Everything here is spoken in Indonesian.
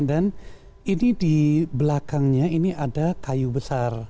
dan ini di belakangnya ini ada kayu besar